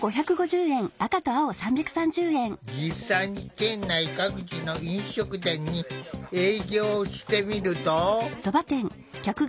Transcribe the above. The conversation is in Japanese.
実際に県内各地の飲食店に営業をしてみると。